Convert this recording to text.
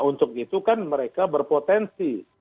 untuk itu kan mereka berpotensi